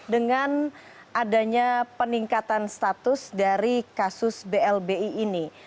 dengan adanya peningkatan status dari kasus blbi ini